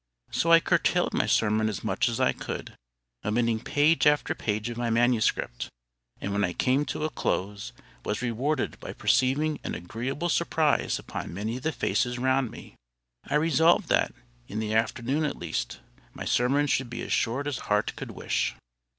So I curtailed my sermon as much as I could, omitting page after page of my manuscript; and when I came to a close, was rewarded by perceiving an agreeable surprise upon many of the faces round me. I resolved that, in the afternoons at least, my sermons should be as short as heart could wish.